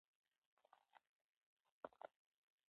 او ورنه ویې غوښتل چې زوی مې راته راوغواړه.